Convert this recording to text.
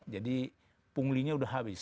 jadi punglinya sudah habis